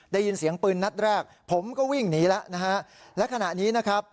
ได้ยินเสียงปืนนัดแรกผมก็วิ่งหนีแล้วนะฮะและขณะนี้นะครับ